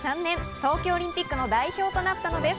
東京オリンピックの代表となったのです。